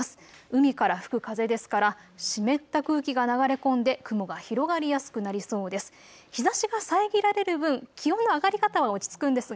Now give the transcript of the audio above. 海から吹く風ですから湿った空気が流れ込んで雲が広がりやすくなりそうです。